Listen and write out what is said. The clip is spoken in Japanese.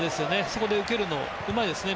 そこで受けるのがうまいですね